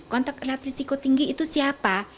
kontak erat risiko tinggi itu siapa